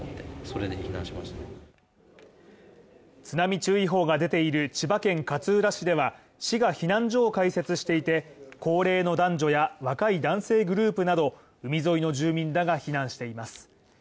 津波注意報が出ている千葉県勝浦市では、市が避難所を開設していて高齢の男女や若い男性グループなど、海沿いの住民らが避難しています。